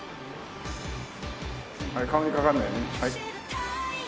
はい顔にかからないように。